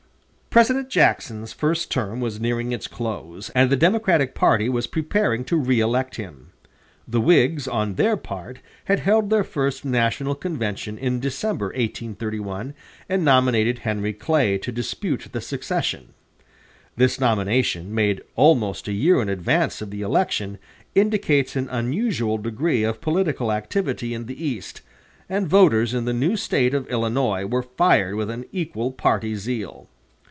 President Jackson's first term was nearing its close, and the Democratic party was preparing to reëlect him. The Whigs, on their part, had held their first national convention in December, 1831, and nominated Henry Clay to dispute the succession. This nomination, made almost a year in advance of the election, indicates an unusual degree of political activity in the East, and voters in the new State of Illinois were fired with an equal party zeal.